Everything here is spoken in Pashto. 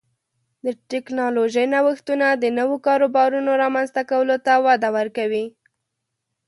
د ټکنالوژۍ نوښتونه د نوو کاروبارونو رامنځته کولو ته وده ورکوي.